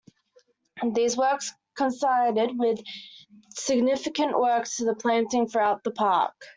These works coincided with significant works to the planting throughout the park.